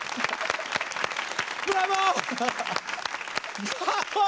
ブラボー！